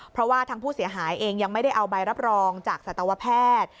เพราะว่าทางผู้เสียหายเองยังไม่ได้เอาใบรับรองจากสัตวแพทย์